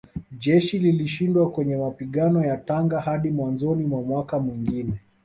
Jeshi lilishindwa kwenye mapigano ya Tanga hadi mwanzoni mwa mwaka mwingine